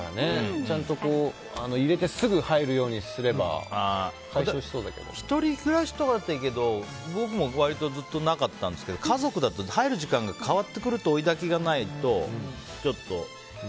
ちゃんと入れてすぐ入るようにすれば１人暮らしとかだったらいいけど僕も割とずっとなかったんですが家族だと、入る時間が変わってくると追い焚きがないとちょっと。